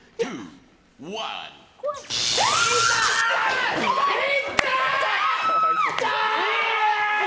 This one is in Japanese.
いったい！